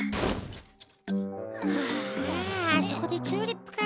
はああそこでチューリップか。